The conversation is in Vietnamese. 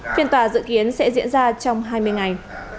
phiên tòa dự kiến sẽ diễn ra trong hai mươi ngày